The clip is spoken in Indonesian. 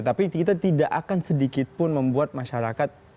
tapi kita tidak akan sedikitpun membuat masyarakat